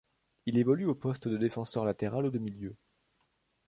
Il évolue au poste de défenseur latéral ou de milieu.